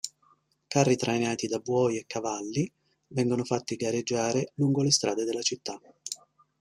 Carri trainati da buoi e cavalli vengono fatti gareggiare lungo le strade della città.